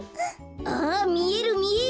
あみえるみえる！